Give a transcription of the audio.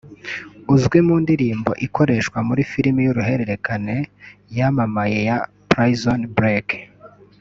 uzwi mu ndirimbo ikoreshwa muri filime y’uruhererekane yamamaye ya “Prison Break”